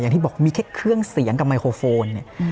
อย่างที่บอกมีแค่เครื่องเสียงกับไมโครโฟนเนี่ย